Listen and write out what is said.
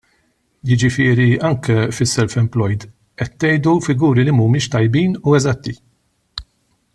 Jiġifieri anke fis-self employed qed tgħidu figuri li mhumiex tajbin u eżatti.